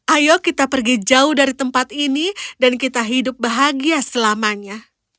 ayo kita pergi jauh dari tempat ini dan kita hidup bahagia selamanya